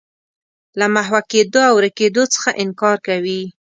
له محوه کېدو او ورکېدو څخه انکار کوي.